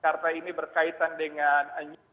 karena ini berkaitan dengan